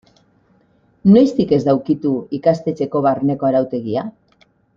Noiztik ez da ukitu ikastetxeko barneko arautegia?